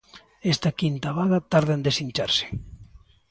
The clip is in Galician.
Esta quinta vaga tarda en desincharse.